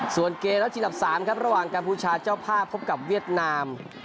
ส่วนเกณฑ์แล้วทีลับสามครับระหว่างกาพูชาเจ้าภาพพบกับเวียดนาม